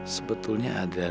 sebetulnya adrianis udah bisa nih